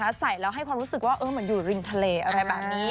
แล้วใส่แล้วให้ความรู้สึกว่าเหมือนอยู่ริมทะเลอะไรแบบนี้